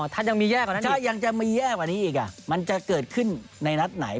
ถ้ายังมีแย่กว่านี้อีกมันจะเกิดขึ้นนัดไหน